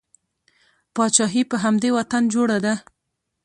پاچاهي په همدې وطن جوړه ده.